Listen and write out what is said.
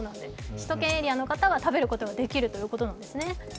首都圏エリアの方は食べることができるということなんですね。